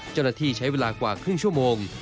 เจ้าหน้าที่ใช้เวลากว่าครึ่งชั่วโมง